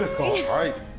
はい。